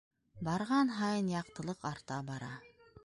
Барған һайын яҡтылыҡ арта бара.